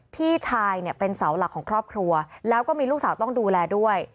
พี่ชายเนี่ยเป็นเสาหลักของครอบครัวแล้วก็มีลูกสาวต้องดูแลด้วย